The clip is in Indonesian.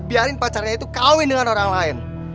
biarin pacarnya itu kawin dengan orang lain